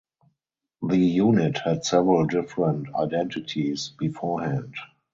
The unit had several different identities beforehand.